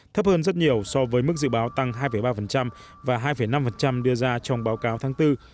thấp hơn rất nhiều so với mức dự báo tăng hai ba và hai năm trong năm nay